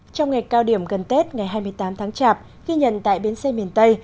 trong ngày cao điểm gần tết ngày hai mươi tám tháng chạp ghi nhận tại bến xe miền tây